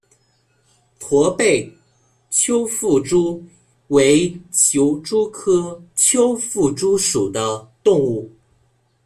驼背丘腹蛛为球蛛科丘腹蛛属的动物。